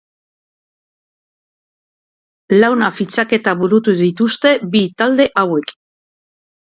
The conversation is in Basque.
Launa fitxaketa burutu dituzte bi talde hauek.